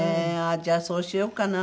じゃあそうしようかな。